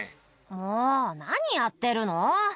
「もう何やってるの！」